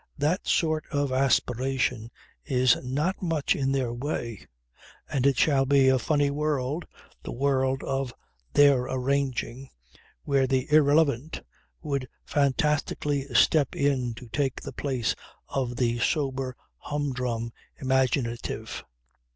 That sort of aspiration is not much in their way; and it shall be a funny world, the world of their arranging, where the Irrelevant would fantastically step in to take the place of the sober humdrum Imaginative